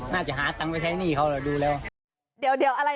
น่าจะหาเงินไปใช้หนี้หรอดูแล้วเดี๋ยวอะไรเนี่ย